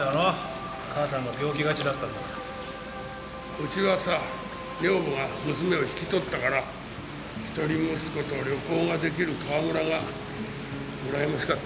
うちはさ女房が娘を引き取ったから一人息子と旅行が出来る川村がうらやましかったよ。